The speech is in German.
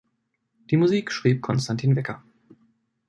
Die Musik schrieb Konstantin Wecker.